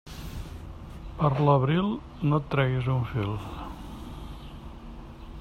Per l'abril, no et treguis un fil.